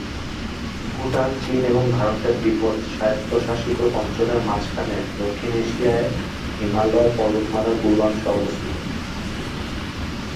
ভুটান চীন এবং ভারতের তিব্বত স্বায়ত্তশাসিত অঞ্চলের মাঝখানে দক্ষিণ এশিয়ায় হিমালয় পর্বতমালার পূর্বাংশে অবস্থিত।